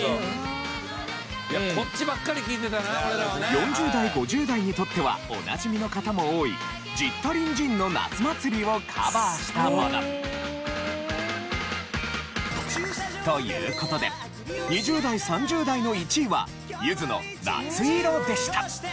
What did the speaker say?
４０代５０代にとってはおなじみの方も多いジッタリン・ジンの『夏祭り』をカバーしたもの。という事で２０代３０代の１位はゆずの『夏色』でした。